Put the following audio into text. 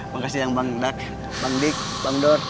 makasih yang bang dak bang dik bang dor